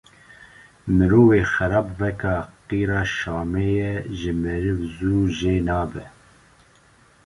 Mirovê xerab weka qîra Şamê ye ji meriv zû jê nabe